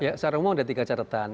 ya saya rumah ada tiga catatan